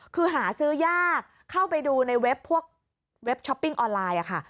คือหาซื้อยากเข้าไปดูในเว็บพวกเว็บช้อปปิ้งออนไลน์ค่ะ